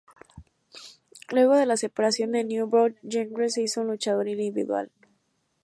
Luego de la separación de The New Brood, Gangrel se hizo un luchador individual.